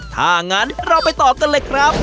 ถ้างั้นเราไปต่อกันเลยครับ